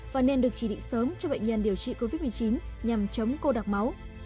và nên được chỉ định sớm cho bệnh nhân điều trị covid một mươi chín nhằm chống cô đặc máu